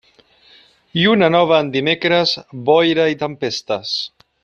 Lluna nova en dimecres, boira i tempestes.